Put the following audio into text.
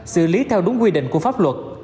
xử lý theo đúng quy định của pháp luật